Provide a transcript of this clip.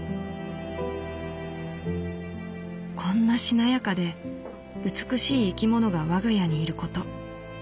「こんなしなやかで美しい生き物が我が家にいること。